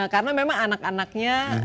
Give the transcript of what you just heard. karena memang anak anaknya